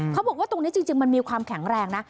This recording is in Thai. เขาบอกว่าตรงนี้จริงมันมีความแข็งแรงนะ